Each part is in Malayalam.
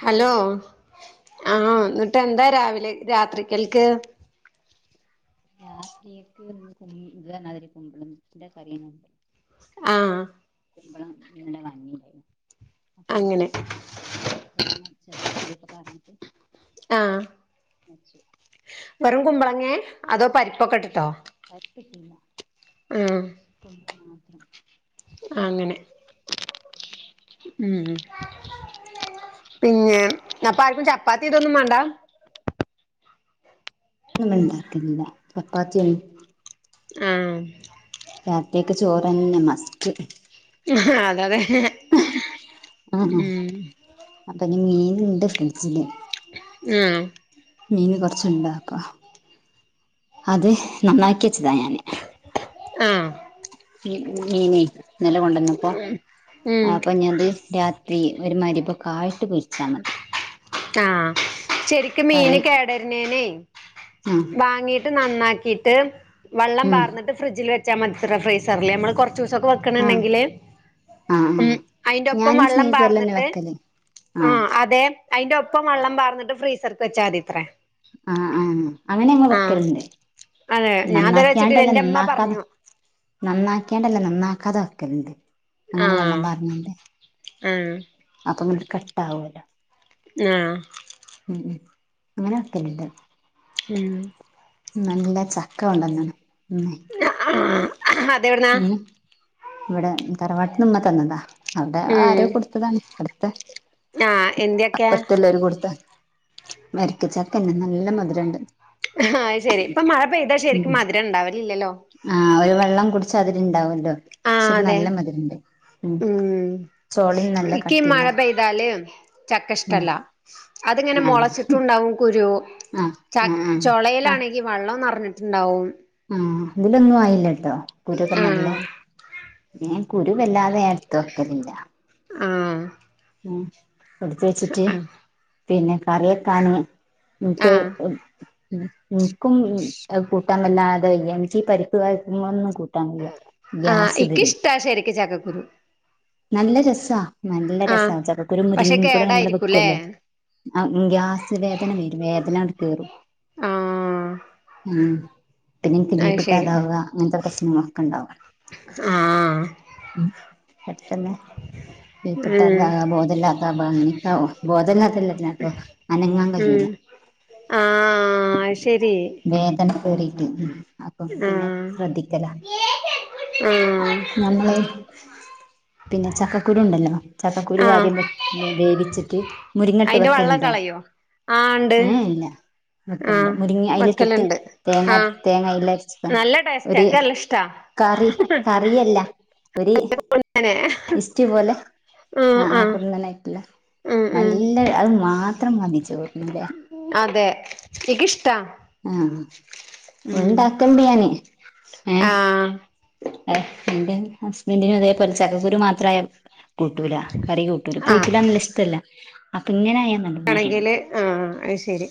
ഹലോ ആഹ് കേക്കില്ലേ ന്ന് ട്ടെന്താ രാവിലെ രാത്രിക്കൽക്ക്? ഞാൻ കേക്ക് ഇത് പറഞ്ഞമാതിരി കുമ്പളുംത്തിന്റെ കറിയ്ന്നു ഇവടെ ആഹ്. കുമ്പളം ഇന്റെ കഞ്ഞീണ്ടായിരുന്നു അപ്പ അത്. അങ്ങനെ തേങ്ങ അര്ച്ച് അതില് പുളിയൊക്കെ പാർന്നിട്ട്. ആഹ്. മെച്ചു. വെറും കുമ്പളങ്ങേ അതോ പരിപ്പൊക്കെട്ടിട്ടോ? പരിപ്പിട്ടില്ല ഉം. കുമ്പളം മാത്രം. അങ്ങനെ. ഉം പിന്നെ അപ്പോ ആർക്കും ചപ്പാത്തി ഇതൊന്നും വേണ്ട. ന്നുണ്ടാക്കലില്ല ചപ്പാത്തിയൊന്നും. ആഹ്. രാത്രിക്ക് ചോറ് തന്നെ മസ്റ്റ്. ഹ് ഹ് അതതെ. ആണോ അപ്പോ ഞ് മീനുണ്ട് ഫ്രിഡ്ജില്. ആഹ്. മീൻ കൊറച്ചുണ്ട് അപ്പോ അത് നന്നാക്കിച്ചതാ ഞാന്. ആഹ്. മീന് ന്നലെ കൊണ്ടുന്നപ്പോ ഉം അപ്പോ ഞത് രാ ത്രി ഒരു മഅരിപൊക്കായിട്ട് പൊരിച്ചാ മതി. ആഹ് ശരിക്ക് കറി മീന് കേടര്ണേന് ആഹ് വാങ്ങി ട്ട് നന്നാക്കിയിട്ട് വെള്ളം ഉം പാർന്ന്ട്ട് ഫ്രിഡ്ജിൽ വച്ചാൽ മതി ഫ്രീസറില് നമ്മൾ കെറ്ച്ച് ദിവസ ആഹ് ക്ക്ണുണ്ടെങ്കിലേ. ആഹ് ഉം ആഹ് അയിന്റെ ഒപ്പം ഞാന് വെള്ളം ഫ്രീസറിലെന്നെ പാർന്നിട്ട് വെക്കല് ആഹ് അതെ. അയ്ന്റെ ഒപ്പം വെള്ളം പാർന്ന്ട്ട് ഫ്രീസർക്ക് വെച്ചാ മതിത്രേ. ആഹ് ആഹ് അങ്ങനെമ്മ ആഹ് വെക്കലുണ്ട് അതെ ഞാൻ ഇതുവരെ വെച്ചിട്ടില്ല നന്നാക്കിയാണ്ടല്ല എന്റെ ഇമ്മ നന്നാക്കാതെ. പറഞ്ഞു നന്നാക്കിണ്ടല്ല നന്നാക്കാതെ വക്കലുണ്ട്. ആഹ് അം. അപ്പൊ പിന്നെ കെട്ടാവൂല. ങ്ങ. ഉം ഉം അങ്ങനെ വെക്കലല്ല. ഉം. നല്ല ചക്ക കെണ്ടന്ന്ണ് മ്. [unintelligible] ഉം ഇവിടെ തറവാട്ട്ന്ന്മ്മ തന്നതാ. അവിടെ ഉം ആരോ കൊടുത്തതാണ് അടുത്തെ ആഹ് എന്ത്യൊക്കെയാ അപ്പറത്തെ ല്ലരും കൊടുത്ത വരക്കച്ചക്ക നല്ല മധുരണ്ട്. ആഹ് ശരി ഇപ്പൊ മഴ പെയ്താ ശരിക്കും മധുരം ഉണ്ടാവലില്ലല്ലോ? ആ ഒരു വെള്ളം കുടിച്ച അതില് ഇണ്ടാവല്ലോ ആഹ് പക്ഷെത് അതെ നല്ല മധുരുണ്ട് മ് ഉം ചോളേം ന്നല്ല കട്ടിള്ള ല് ചക്ക ഉം ഇഷ്ടല്ല അതിങ്ങനെ ആഹ് മുളച്ചിട്ടണ്ടാവും കുരു ആഹ് ച ആഹ് ആഹ് ചുളയിലാണെങ്കി വെള്ളം നിറഞ്ഞിട്ടുണ്ടാവും. ആ ഇതിലൊന്നും ആയില്ലട്ടോ കുരൊക്കെ ആഹ് നല്ലേ പിന്നെ കുരുവല്ലാതെ എടുത്ത് വയ്ക്കലില്ല. മ് ഉം കൊടുത്ത വെച്ചിട്ട് ആഹ് പിന്നെ കറി വെക്കാന് ഇന്ക്ക് ആഹ് ഇന്ക്കും കൂട്ടാൻ വല്ലാതെയ്യ എനിക്ക് ഈ പരിക്ക് കൊന്നും കൂട്ടാൻവയ്യ ആ ഇക്കിഷ്ട ശരിരിക്ക ചക്കക്കുരു നല്ല രസ നല്ല രസ ആഹ് ചക്കക്കുരു പക്ഷെ മുരിങ്ങും കൂടെ നമ്മൾ കേടായിരിക്കുംല്ലേ വെക്കുല്ലോ? ആ ഗ്യാസ് വേദന വരും വേദന കയറും. ആ ഉ പിന്നെ എനിക്ക് ബീ ശരി പിട്ടാതാവുക അങ്ങനത്തെ പ്രശ്നങ്ങളൊക്കെ ഉണ്ടവാ ആഹ് മ് പഠിക്കന്നെ ഉം [unintelligible] ബോധല്ലാത്ത നക്കവൊ ബോധല്ലാത്തല്ലാട്ടോ അനങ്ങാൻ കഴിയൂല. ആ വേദന കറിട്ട് പിന്നെ ആഹ് ശ്രദ്ധിക്കല ആഹ് നമ്മള് പിന്നെ ചക്കക്കുരുണ്ടല്ലോ? ചപ്പക്കുരു ആഹ് ആദ്യം വേവിച്ചിട്ട് മുരിങ്ങട്ട് വെക്കലുണ്ടോ? ആണ്ട് പ്പണ്ട മുരിങ്ങ അല ഇട്ടിട്ട് തേങ്ങ ആഹ് തേങ്ങ അയിലരിച്ച നല്ല ടേസ്റ്റ് ഒരു എക്കല്ല ഇഷ്ടാ കറി കറല്ല ഒരു അങ്ങനെ ഇസ്റ്റ് പോലെ ആഹ് ആ ആ ആഹ് കുറന്നാനയിട്ടിള്ള ഉം ഉം നല്ല അത് മാത്രം മതി ചോർന് ല്ലേ? അതെ ക്കിഷ്ടാ ആ ഉണ്ടാക്കൽണ്ട് ഞാന് ഏ ആഹ് എന്റെ ഹസ്ബൻഡിനും അതേപൊലെ ചക്കക്കുരു മാത്രയ കൂട്ടൂല. കറി കൂട്ടൂലാ ആഹ് കൂട്ടലാ നെല്ല ഇഷ്ടല്ല അപ്പൊ ഇങ്ങനെയാൽ.. ആണെങ്കില് ആ അത് ശരി..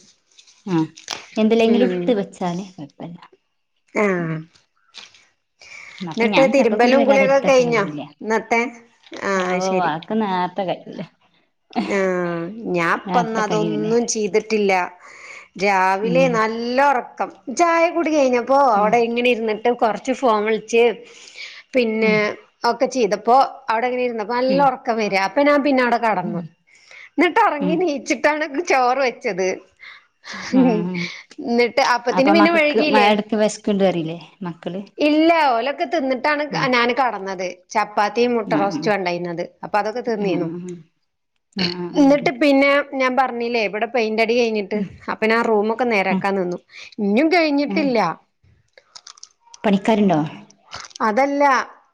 ആ എന്തില്ലെങ്കിലും ഇട്ട് വെച്ചാൽ കൊഴപ്പല്ല.. ആഹ.. അപ്പൊ ഞാൻ ചക്കക്കുരു തിരുമ്പലും വല്ലാതെ കുളിയൊക്കെ ഇടത്ത് കഴിഞ്ഞോ വെക്കലൊന്നുംല്ലാ ഇന്നത്തെ ആഹ് ഓ ക്ക്.. [inaudible] ല്ലാ.. ആ നേർത്തെ ഞാൻപ്പന്ന കഴിയൂലേ അതൊന്നും ചെയ്തിട്ടില്ല രാവിലെ ഉം ണെലാ.. നല്ല ഉറക്കം ചായ കൂടി കഴിഞ്ഞപ്പോ ഉം അവിടെ ഇങ്ങനെ ഇരുന്ന.. ഞാൻ കൊർച്ച് ഫോൺ വിളിച്ച് പിന്നെ ഉം ഒക്കെ ചെയ്തപ്പോ അവിടെങ്ങനെ ഇരുന്ന.. നല്ല ഉം ഉറക്കം വരി അപ്പൊ ഞാൻ പിന്നെ അവിടെ ഉം കിടന്നു നെട്ട് ഒറങ്ങി ഉം നീയിച്ചി.. നെട്ട് ആണ് ഇന്ന് ചോറ് വെച്ചത്.. ഉം നെട്ട് അപ്പത്തിന് പിന്നെ വഴ്കിയില്ലേ.. ക്ക് ണ്ട്ന്ന് പറയില്ലേ.. ഇല്ല ഓലൊക്കെ തിന്നിട്ടാണ് ഞൻ കടന്നത് ചപ്പാത്തിയും മുട്ട റോസ്റ്റും ഉണ്ടായിരുന്നത്.. അപ്പോ അതൊക്കെ തിന്നിനു.. ഉം.. ന്നിട്ട് പിന്നെ ഞാൻ പറഞ്ഞില്ലേ ഇവിടെ പെയിന്റ അടി കഴിഞ്ഞ.. നെട്ട് അപ്പ ഞാൻ റൂമൊക്കെ ആഹ് നേരക്കാൻ നിന്നു ഇഞ്ഞും കഴിഞ്ഞിട്ടില്ല.. പണിക്കാര്ണ്ടോ അതല്ല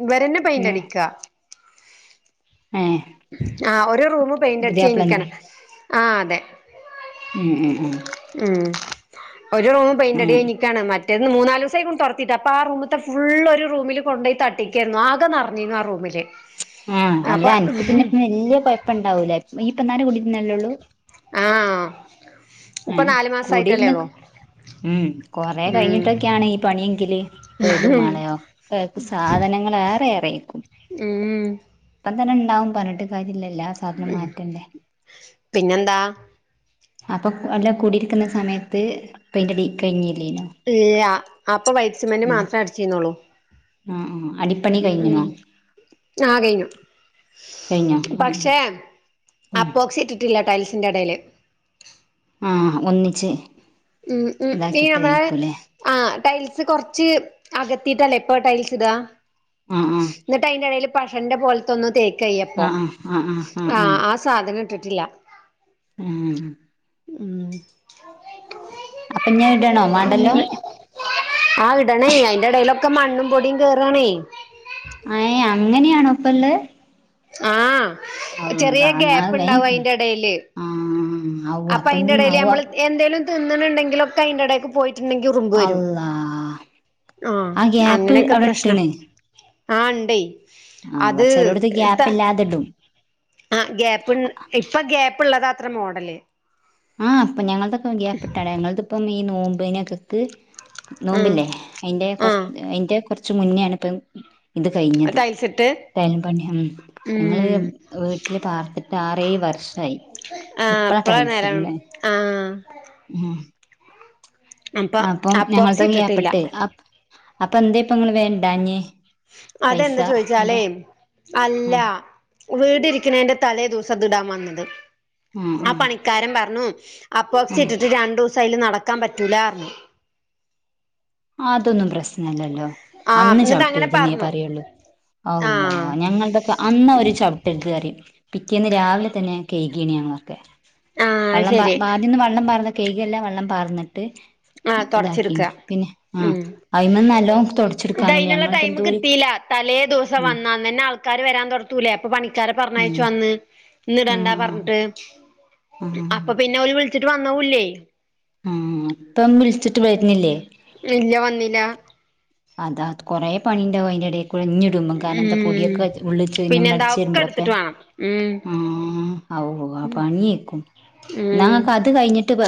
ഇവരെന്നെ പെയിന്റടിക്കാ ഏ ആ ഒരു റൂമ് പെയിന്റടിച്ച് കയിഞ്ക്ക്ണ് ആ അതെ ഉം ഉം ഉം ഉം ഒരു റൂമ് പെയിന്റടി ഉം കയ്ഞ്ക്കാണ് മറ്റ്‌ റ്റേത് മൂന്നാലൂസായ്ക്കുണു തൊടതീറ്റ് അപ്പൊ ആറൂമ്ത്തെ ഫുള്ളള് ഒരു റുമില് കൊണ്ടോയി തട്ടിക്കെര്ന്നു ആകെ നർഞ്ഞിരുന്നു ആ റൂമില് ആ അല്ല അപ്പൊ അൻക്ക് പിന്നെപ്പം വെല്ല്യ കൊയപ്പണ്ടാവൂല ഇയ്യ് ഇപ്പ നേരം കൂടിര്ന്നല്ലേള്ളൂ ആ ഇപ്പൊ ഏഹ് നാല് കൂടിയിരുന്ന് മാസായിട്ടല്ലേള്ളൂ ഉം കൊറെ കഴിഞ്ഞിട്ടൊക്കെയാണ് ഈ പണിയെങ്കില് പെടും മാണെ ഒക്കെ സാധനങ്ങള് എറെ ഏറെര്ക്കും ഉം ഉം പ്പ തന്നെണ്ടാവും പർഞ്ട്ട് കാര്യല്ല എല്ലാസ് ഉം പിന്നെന്താ പ്പം അല്ല കുടിരിക്ക്ന്ന സമയത്ത് പെയിന്റടി കയിഞ്ഞില്ലേനോ ഇല്ല അപ്പൊ വൈറ്റ് സിമെന്റ് മാത്രേ അട്ച്ചീന്നൊള്ളു ആ ആ അടിപ്പണി കഴിഞ്ഞ്ണോ ആ കയ്ഞ്ഞു കഴിഞ്ഞോ ഉം പക്ഷെ ഉം അപ്പോക്സി ട്ടില്ല ടൈൽസിന്റെടേല് ആ ഒന്നിച്ച് ഉം ഉ ഈ നമ്മളെ ഇതാക്കിട്ടേക്കൂലേ ആ ടൈൽസ് കൊർച്ച് അകത്തിട്ടല്ലേ ഇപ്പോ ടൈൽസ്ടാ ആ ആ ന്ന്ട്ടയ്ന്റെടേല് പഷന്റെ പോലെത്തൊന്ന് തേക്ക്യ്യപ്പോ ആഹ് ആഹ് ആഹ് ആഹ് ആഹ് ആ സ് സാധനം ഇട്ടിട്ടില്ല ഉം ഉം പ്പഞ്ഞി അത് ഇടണോ വേണ്ടല്ലോ അ ഇടണേ അയിന്റെ എടേലൊക്കെ മണ്ണും പൊടീം കേറാണേ എ അങ്ങനെയാണോ ഇപ്പള്ളത് ആ ചെറിയ ഗ്യാപ്പ് ണ്ടാവും അയ്ന്റെടേല് ആ അവ്വ അപ്പൊഞ്ഞി അവ്വ നമ്മള് എന്തേലും തിന്ന്ണ് ണ്ടെങ്കിലൊക്കെ അയ്ന്റെടേക്ക് പോയി ട്ട്ണ്ടെങ്കി ഉറുമ്പ് വെരും അള്ളാ ആ ഗ്യാപ്പ് അങ്ങനൊക്കെ അവിടെ പ്രശ്ന ഇട്ട്ണ് ആ ണ്ടേ അത് ത ത്ടും ആ ഗ്യാപ്പ്ൺ ഇപ്പൊ ഗ്യാപ്പ് ള്ളതാത്രെ മോഡല് ആ പ്പൊ ഞങ്ങളതൊക്കെ ഗ്യാപ്പ്ട്ടാണ് ഞങ്ങത്പ്പം ഈ നോമ്പിനകത്ത് ആഹ് നോമ്പില്ലേ അയ്ന്റെ കൊർ ആഹ് അയ്ന്റെ കൊർച്ച് മുന്നെണ് പ്പം ടൈൽസ്ട്ടത് ടൈൽപണി ഞങ്ങള് വീട്ടില് പാർത്ത്ട്ട് ആറേഴ് വർഷായി ആ ഇപ്പളാ പ്പളാ ടൈൽസ് നേരാവ്ണ് ഇടുന്നെ ആ ഉം അപ്പൊ അപ്പം അപ്പോക്സി ഞങ്ങൾതും ഇട്ടിട്ടില്ല ഗ്യാപ്പിട്ട് ആ അപ്പെന്തെ പ്പൊ ങ്ങള് വേണ്ടാഞ്ഞ് അതെന്താ ചോയ്ച്ചാലേ അല്ല ആഹ് വീടിരിക്ക്ണെന്റെ തലേ ദിവസം ഇത് ഇടാൻ വന്നത് ആഹ് ആ ആഹ് പണി ക്കാരം പർഞ്ഞു അപ്പോക്സി ആഹ് ഇട്ടിട്ട് രണ്ടുസയ്ല് നടക്കാൻ പറ്റൂലാ ർഞ്ഞു അതൊന്നും പ്രശ്നല്ലല്ലോ ആഹ് അന്ന് എന്നിട്ട് അങ്ങനെ ചവ്ട്ടര്ത് ന്നെ പറഞ്ഞു പറയൊള്ളു അള്ളാ ആഹ് ഞങ്ങൾതൊക്കെ അന്നൊര് ചൗ [unintelligible] പറയും പിറ്റേന്ന് രാവിലെ തന്നെ കഴകിയാണ് ഞങ്ങളൊക്കെ ആഹ് വള്ളം ശരി ആദ്യന്ന് വെള്ളം പാർന്ന കൈക വെള്ളം പാർന്നിട്ട് ആഹ് തുടച്ചിടുക്ക ഇതാക്കീന് പിന്നെ ആഹ് ഉം അയിമന്ന് നല്ലോം തൊടച്ചെടുക്കാനുണ്ട് ഇതിനുള്ള ഞങ്ങൾത് ടൈം എന്തോര് കിട്ടീയില്ല തലേ ദിവസം ഉം വന്നാ അങ്ങ തന്നെ ആൾക്കാര് വരാൻ തുൊടത്തൂലേ അപ്പൊ പണിക്കാരർ പറഞ്ഞാഴച്ചു ഉം വന്ന് ഇന്ന് ഇടണ്ടാ ആഹ് പറഞ്ഞിട്ട് ആഹ് അപ്പൊ പിന്നെ അവര് വിളിച്ചിട്ട് വന്നവുല്ലേ ആഹ അപ്പം വിളിച്ചിട്ട് വരുന്നില്ലേ ഇല്ല വന്നില്ല അതാത് കൊറെേ പണി ഉണ്ടാവും അതിൻ്റെ ഇട കുഴഞ്ഞിടുമ്പോം കനത്തെ ഉം പൊടിയൊക്കെ ഉള്ളിച്ച് നമ്മൾ പിന്നെന്താ അടിച്ച് ഒക്കെ വരുമ്പോഴൊക്കെ എടുത്തിട്ട് വേണം ഉം ആഹ ഔ ആഹ പണിയേക്കും ഉം ങ്ങൾക്ക് അത് കഴിഞ്ഞിട്ട് ഇട്ട്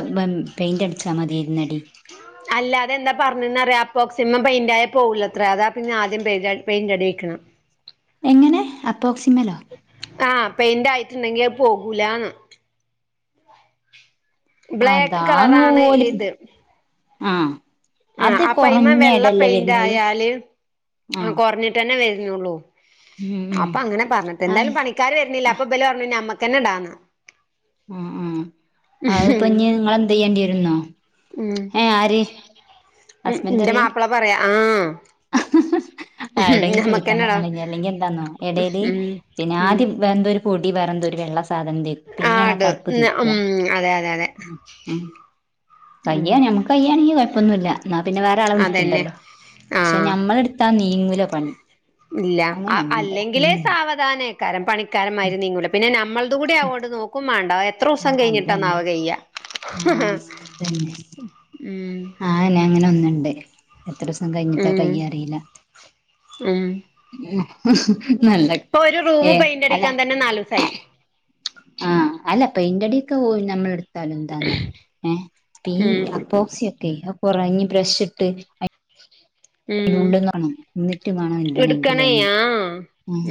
പെയിന്റ് അടിച്ചാ മതി ഇരുന്നടി അല്ലാതെ എന്താ പറഞ്ഞന്ന്റിയാം അപോക്സിമം പെയിന്റയ പോകൂല അത്ര അതാ പിന്നെ ആദ്യം പെയി പെയിന്റ് അടിയിക്കണം [inaudible] എങ്ങനെ അപ്പോക്സിമേലോ ആഹ് പെയിന്റെ ആയിട്ടുണ്ടെങ്കി പോകൂലാന്ന് ബ്ലാക്ക് അതാങ് കളറാണ് പോല ആഹ ആഹ അപയ്മ വെള്ള പെയിന്റ് ആയാല് ആഹ് കുറഞ്ഞി [unintelligible] വരുന്നുള്ളു ഉം ഉം അപ്പ അങ്ങനെ പറ്ഞെട്ട് ആഹ് എന്തലും പണിക്കർ വരണില്ല ആഹ് അപ്പ [unintelligible] നമ്മക്കന്നെ ഇടാന്ന് ആഹ ആഹ അഹ ഇപ്പൊ ഇഞ് നിങ്ങളെന്ത് ചെയെയ്യേണ്ടി വരുന്നോ ഉം ഏഹ ആര് ഉം ഹസ്ബൻഡ് എന്റെ അറിയേ മാപ്പിള പറയാ ആഹ ആരോടെങ്കും ചോദിക്കാൻ പറഞ്ഞള അല്ലെങ്കിൽ എന്താന്നോ എടെല് ഉം പിന്നെ ഉം ആദ്യം എന്തോരു പൊടി വേറന്തൊരു വെള്ള സാധനം തരും ആഹ് പിന്നെയാണ് ഇട് കറുപ്പ് തീക്കുക ഉം അതെ അതെ അതെ ഉം കയ്യാ നമുക്ക് കയ്യയാണെങ്കി കുഴപ്പൊന്നുമില്ല എന്നാ പിന്നെ വേറെ ആളെ അതന്നെ വിളിക്കണ്ടല്ലോ പക്ഷെ ആഹ് ഞമ്മള് എടുത്താ നീങ്ങൂല പണി ഇല്ല അങ്ങനെ ഒന്നുണ്ട് അല്ലെങ്കിലേ സാവ പ്രധാനക്കാരം പണിക്കാരന്മായി നീങ്ങൂല പിന്നെ നമ്മളുടെ കൂടി അവോട് നോക്കും വേണ്ടാ എത്ര ദിവസം ആഹ് അതന്നെ കഴിഞ്ഞിട്ടാന്നാവ കഴ്യയ ആഹ് ഉം ആഹനെ അങ്ങനെ ഒന്നുണ്ട് എത്ര ദിവസം കഴിഞ്ഞിട്ടാ ഉം കയ്യ അറിയില്ല ഉം നല്ലക് ഏഹ അല്ല സൈ ആഹ അല്ല പെയിന്റടൊക്കെ പോയി നമ്മൾടു എന്താന്നോ ഏഹ ഈ ഉം അപോക്സിക്കെ കുറഞ് ബ്രഷ ഇട്ട് [unintelligible] ഉം ഇള്ളും കാണണം എന്നിട്ടും എടുക്കണേ കാണനണ്ടണെങ്കിൽന്നെ ആ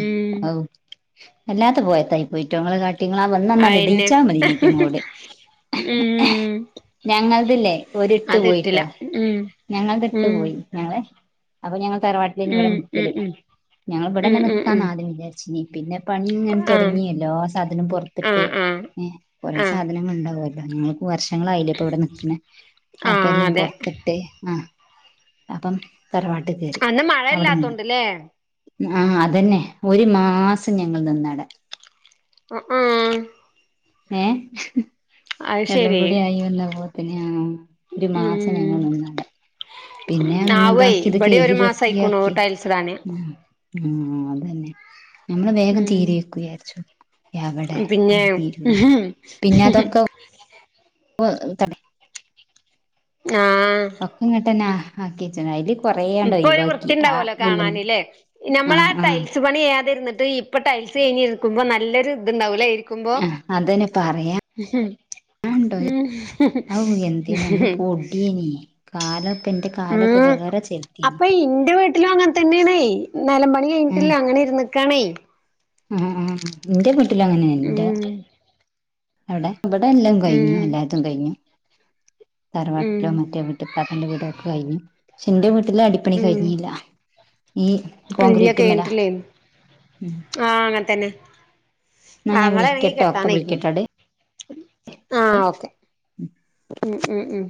ഉം അല്ലാത്ത പോയത്തായി പോയിട്ടോ ഇങ്ങൾ കാ കുങ്ങളാ വന്നന്നാണ് അയന്നെ എടയിച്ചാൽ മതിനിക്കും കൂടെ ഉം ഞങ്ങളതല്ലേ ഒരിട്ട് അതിട്ടില്ല പോയിട്ടോ ഉം ഞങ്ങളത് ഇട്ട് ഉം പോയി ഞങ്ങളെ അപ്പൊ ഞങ്ങൾ തറവാട്ടിൽ ഇനി ഇവിടെ ഉം ഉം നിക്കലില്ല ഉം ഞങ്ങ ഉം ഇവിടെന്നെ ഉം ഉം നിക്കാന്ന് ആദ്യം വിചാരിച്ച പിന്നെ പണി ഇങ്ങനെ ആ തുടങ്ങിയല്ലോ ആ സാധനം ആ പുറത്തിട്ട് ആ കൊറെേ ആ സാധനങ്ങൾണ്ടാവും നിങ്ങക്ക് വർഷങ്ങളായില്ലേ ഇപ്പ ഇവിടെ നിക്കുന്ന ആ അപ്പ എല്ലാം അതെ പുറത്തി ട്ടേ ആ അപ്പം തറവാട്ടക്ക് അന്ന് മഴയില്ലാത്തോണ്ട്ല്ലേ ആഹ അതന്നെ ഒരു മാസം ഞങ്ങൾ നിന്നട അഹ് ആഹ ഏഹ അത് എല്ലം ശരി കൂടി ആയി വന്ന പോലെ തന്നെയ ഒരു മാസം ഉം ഞങ്ങൾ നിന്നാണ് പിന്നെ ഒന്ന് ആവേ ഇതാക്കി ഇത് ഇവിടെ കഴകി ഒരു മാസം ആയിക്കുണു വൃത്തിയാക്കി ടൈൽസ് ഇടാന് ഉം അതന്നെ ഞമ്മള് വേഗം ഉം തീരുവായിരിക്കും വിചാരിച്ചു. എവടെ പിന്നെ അത് തീരൂലാ പിന്നെ അതൊക്കെ [unintelligible] ആഹ് ഒക്ക ഇങ്ങട്ടന്നെ ആക്കി വെച്ചിണ് അയില് കൊറേയാണ്ട് ഇപ്പൊ ഒരു ഒഴിവാക്കി ആ വൃത്തിയിണ്ടാവല്ലോ ഉള്ള് കാണാന് ല്ലേ നമ്മളാ ആ ആഹ് ആഹ് ടൈൽസ് പണി ചെയ്യാതിരുന്നട്ട് ഇപ്പ ടൈൽസ് കഴിഞ്ഞിരിക്കുമ്പോ നല്ലൊരു ഇതുണ്ടാവൂലേ ആഹ് അതന്നെ പറയാ ഹം [unintelligible] ആവൂ എന്തേനി അന്ന് പൊടിയും കാലൊക്കെ ഇൻ്റെ കാലൊക്കെ ഉം വേറെ ചെ അപ്പൊ [unintelligible] ഇന്റെ വീട്ടിലും അങ്ങൻ തെന്നെയാണേ നെലം പണി കഴിഞ്ഞിട്ടില്ലാ ഏഹ് അങ്ങനെ ഇരുന്നക്കാണേ ആഹ് ഇന്റെ വീട്ടിലു അങ്ങനെയാ ഇൻ്റെ ഉം അവിടെ ഇബടെ എല്ലോം കയിഞ്ഞു ഉം എല്ലാത്തും കഴിഞ്ഞു ഉം തറവാട്ടിലോ മറ്റേ വീട്ട് താത്താൻ്റെ വീടൊക്കെ കയിഞ്ഞു ക്ഷെ ഇന്റെ വീട്ടില് അടി പ്പണി ഉം കഴിഞ്ഞില്ല ഈ ഇല്ല കോൺക്രീറ്റുമ്മലാ കഴിഞ്ഞിട്ടില്ലേ ആഹ് അങ്ങനെ തന്നെ എന്നാ ഞാൻ ആങ്ങളാണെങ്കി വിളിക്കട്ടോ ഇപ്പ കെട്ടാന്നായിക്ക്ണ് വിളിക്കട്ടോ ആഹ് ഓക്കെ ഉം ഉം ഉം